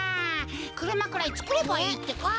くるまくらいつくればいいってか。